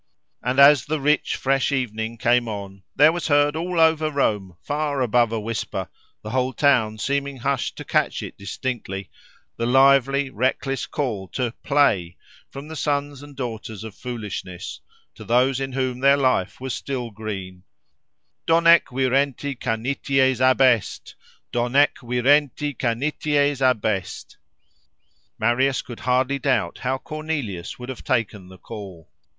And, as the rich, fresh evening came on, there was heard all over Rome, far above a whisper, the whole town seeming hushed to catch it distinctly, the lively, reckless call to "play," from the sons and daughters of foolishness, to those in whom their life was still green—Donec virenti canities abest!—Donec virenti canities abest!+ Marius could hardly doubt how Cornelius would have taken the call.